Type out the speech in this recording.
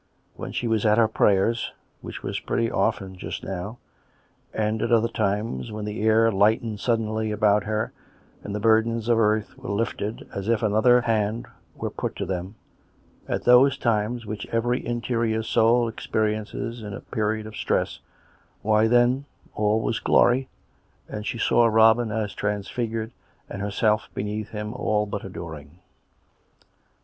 When she was at her prayers (which was pretty often just now), and at other times, when the air lightened suddenly about her and the burdens of earth were lifted as if another hand were put to them — at those times which every interior soul experiences in a period of stress — why, then, all was glory, and she saw Robin as transfigured and herself beneath him all but adoring.